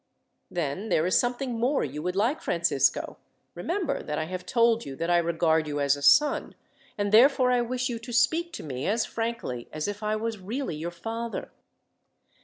"Then there is something more you would like, Francisco. Remember that I have told you that I regard you as a son, and therefore I wish you to speak to me, as frankly as if I was really your father."